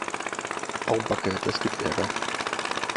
Au backe, das gibt Ärger.